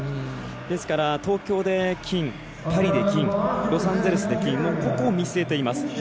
ですから東京で金、パリで金ロサンゼルスで金ここを見据えています。